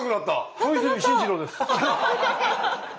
小泉進次郎です。